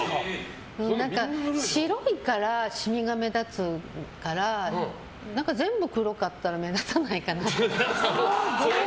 白いからシミが目立つから全部黒かったら目立たないかなって。